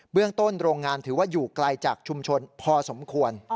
เรื่องต้นโรงงานถือว่าอยู่ไกลจากชุมชนพอสมควร